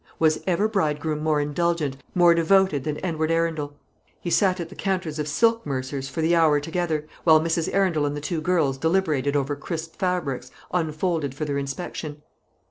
Was ever bridegroom more indulgent, more devoted, than Edward Arundel? He sat at the counters of silk mercers for the hour together, while Mrs. Arundel and the two girls deliberated over crisp fabrics unfolded for their inspection.